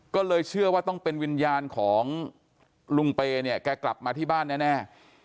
ก็เลยเชื่อว่าต้องเป็นวิญญาณของลุงเปย์เนี่ยแกกลับมาที่บ้านแน่